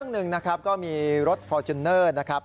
หนึ่งนะครับก็มีรถฟอร์จูเนอร์นะครับ